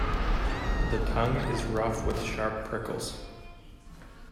The tongue is rough with sharp prickles.